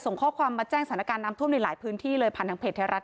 ส่งข้อความมาแจ้งสถานการณ์น้ำท่วมในหลายพื้นที่เลยผ่านทางเพจไทยรัฐ